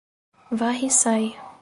Varre-Sai